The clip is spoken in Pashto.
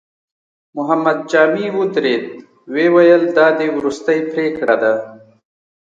محمد جامي ودرېد، ويې ويل: دا دې وروستۍ پرېکړه ده؟